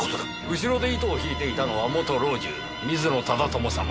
後ろで糸を引いていたのは元老中水野忠友様。